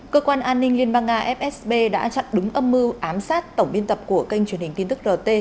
cơ quan an ninh liên bang nga fsb đã chặn đúng âm mưu ám sát tổng biên tập của kênh truyền hình tin tức rt